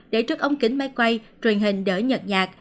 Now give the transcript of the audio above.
để trước ống kính máy quay truyền hình đỡ nhật nhạc